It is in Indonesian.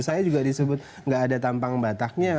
saya juga disebut nggak ada tampang bataknya